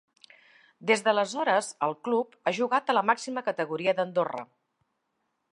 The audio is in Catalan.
Des d'aleshores, el club ha jugat a la màxima categoria d'Andorra.